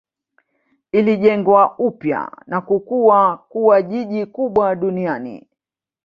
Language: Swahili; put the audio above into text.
Ilijengwa upya na kukua kuwa jiji kubwa duniani.